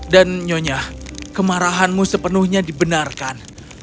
dan nyonya kemarahanmu sepenuhnya dibenarkan